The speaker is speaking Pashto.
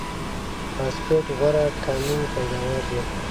فاسفېټ غوره کاني پیداوار دی.